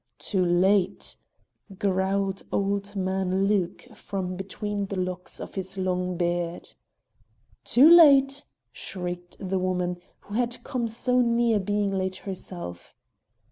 "Too late!" growled old man Luke from between the locks of his long beard. "Too late!" shrieked the woman who had come so near being late herself.